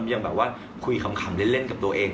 ยังคุยคำขำเล่นกับตัวเอง